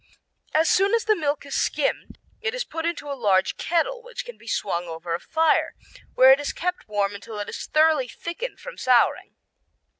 As soon as the milk is skimmed it is put into a large kettle which can be swung over a fire, where it is kept warm until it is thoroughly thickened from souring.